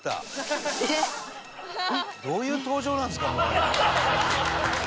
「どういう登場なんですか」